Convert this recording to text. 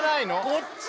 こっちや。